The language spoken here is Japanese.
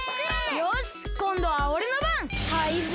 よしこんどはおれのばん！